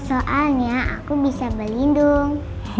soalnya aku bisa berlindung